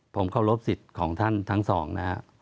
ผมเคารพสิทธิ์ของท่านทั้งสองนะฮะ